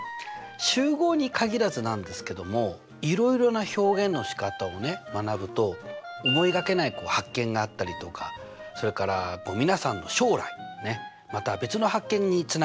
集合に限らずなんですけどもいろいろな表現のしかたを学ぶと思いがけない発見があったりとかそれから皆さんの将来また別の発見につながったりとするんですね。